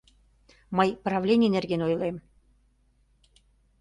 — Мый правлений нерген ойлем...